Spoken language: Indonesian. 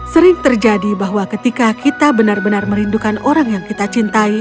sering terjadi bahwa ketika kita benar benar merindukan orang yang kita cintai